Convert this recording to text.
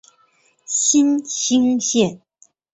新兴线